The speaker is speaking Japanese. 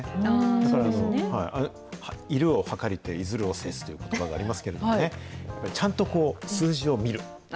だから、入るを計りて出を制するということばがありますけれども、やっぱりちゃんとこう、数字を見る。